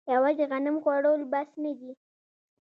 یوازې غنم خوړل بس نه دي.